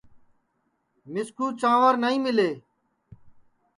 مِسکُو چانٚور نائی مِلے